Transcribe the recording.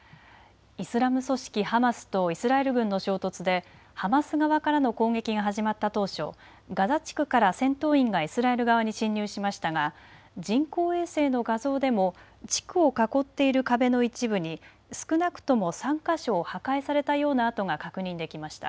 イスラム組織ハマスとイスラエル軍の衝突でハマス側からの攻撃が始まった当初、ガザ地区から戦闘員がイスラエル側に侵入しましたが人工衛星の画像でも地区を囲っている壁の一部に少なくとも３か所破壊されたような跡が確認できました。